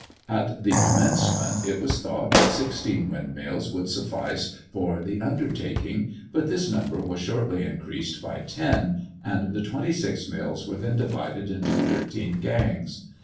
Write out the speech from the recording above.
At the commencement, it was thought that sixteen windmills would suffice for the undertaking; but this number was shortly increased by ten, and the twenty six mills were then divided into thirteen gangs.